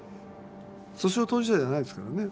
訴訟当事者じゃないですからね。